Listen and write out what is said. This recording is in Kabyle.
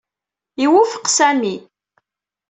Iwufeq Sami.